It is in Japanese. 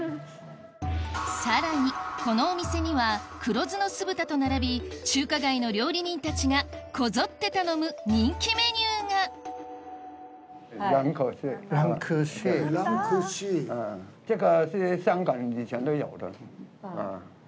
さらにこのお店には黒酢の酢豚と並び中華街の料理人たちがこぞって頼む人気メニューがちょっと。